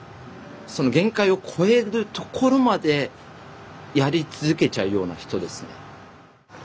その限界を超えるところまでやり続けちゃうような人ですね。